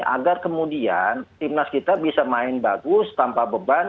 agar kemudian timnas kita bisa main bagus tanpa beban